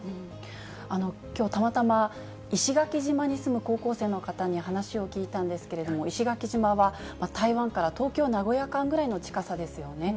きょう、たまたま石垣島に住む高校生の方に話を聞いたんですけれども、石垣島は台湾から東京・名古屋間ぐらいの近さですよね。